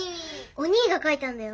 おにぃが描いたんだよ。